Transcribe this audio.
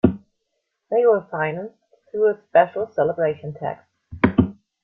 They were financed through a special celebration tax.